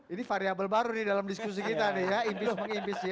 ini variable baru nih dalam diskusi kita nih ya impeach mengimpeach ya